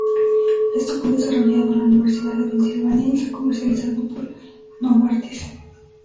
Esto fue desarrollado en la Universidad de Pensilvania y está comercializado por Novartis.